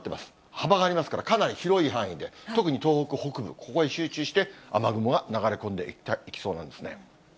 幅がありますから、かなり広い範囲で、特に東北北部、ここへ集中して雨雲が流れ込んでいきそうなんですね。